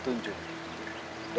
terima kasih ibu bunda